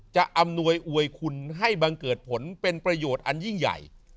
อำนวยอวยคุณให้บังเกิดผลเป็นประโยชน์อันยิ่งใหญ่